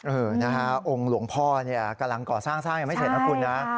เออนะฮะองค์หลวงพ่อเนี่ยกำลังก่อสร้างสร้างยังไม่เสร็จนะคุณนะ